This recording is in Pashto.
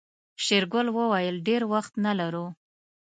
شېرګل وويل ډېر وخت نه لرو.